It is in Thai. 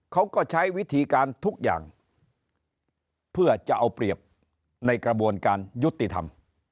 เขาก็ใช้วิธีการทุกอย่างเพื่อจะเอาเปรียบในกระบวนการยุติธรรม